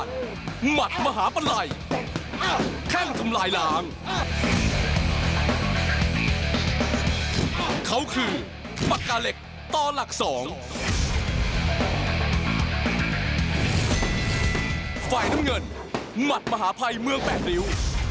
ไฟล์น้ำเงินหมัดมหาภัยเมืองแป้งริ้ว